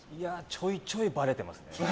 ちょいちょいばれてますね。